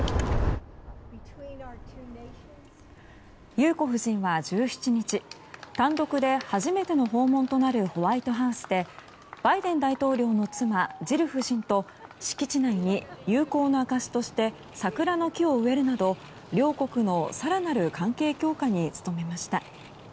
裕子夫人は１７日単独で初めての訪問となるホワイトハウスでバイデン大統領の妻ジル夫人と敷地内に友好の証しとして桜の木を植えるなど、両国の更なる関係強化に努めました。